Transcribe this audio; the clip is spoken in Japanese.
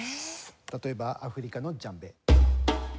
例えばアフリカのジャンベ。